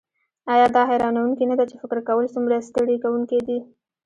ایا دا حیرانوونکې نده چې فکر کول څومره ستړي کونکی دي